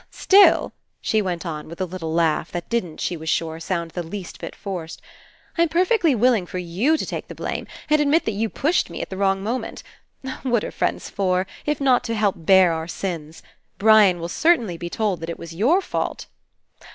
"Still," she went on with a little laugh that didn't, she was sure, sound the least bit forced, ''I'm perfectly willing for you to take 173 PASSING the blame and admit that you pushed me at the wrong moment. What are friends for, if not to help bear our sins? Brian will certainly be told that it was your fault.